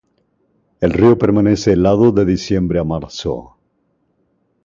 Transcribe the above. El río permanece helado de diciembre a marzo.